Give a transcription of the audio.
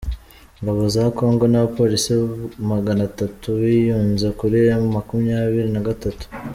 Ingabo za kongo n’abapolisi maganatatu biyunze kuri M makumyabiri nagatatu